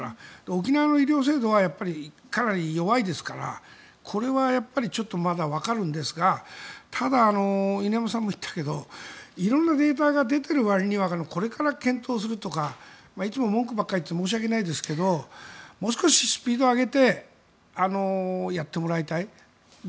沖縄の医療制度はかなり弱いですからこれはやっぱりまだわかるんですがただ犬山さんも言ったけど色々なデータが出ているわりにはこれから検討するとかいつも文句ばっか言って申し訳ないですけどもう少しスピードを上げてやってもらいたい。